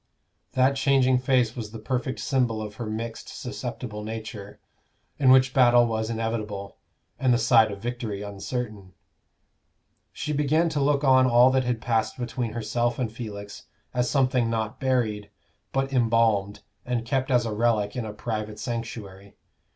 That changing face was the perfect symbol of her mixed susceptible nature, in which battle was inevitable, and the side of victory uncertain. She began to look on all that had passed between herself and Felix as something not buried, but embalmed and kept as a relic in a private sanctuary.